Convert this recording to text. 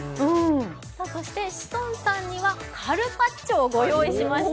そして志尊さんにはカルパッチョをご用意しました。